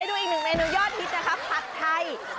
ดูอีกหนึ่งเมนูยอดฮิตนะคะผัดไทย